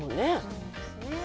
そうですね。